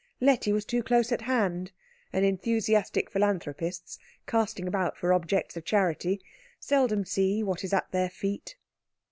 Letty was too close at hand; and enthusiastic philanthropists, casting about for objects of charity, seldom see what is at their feet.